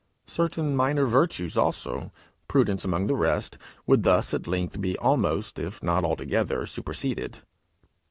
Certain minor virtues also, prudence amongst the rest, would thus at length be almost, if not altogether, superseded.